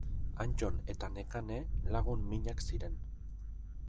Antton eta Nekane lagun minak ziren.